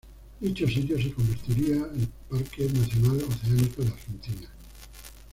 Dicho sitio se convertiría el parque nacional oceánico de Argentina.